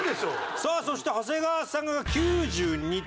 さあそして長谷川さんが９２点ですね。